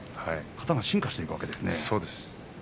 型が進化していくわけですね。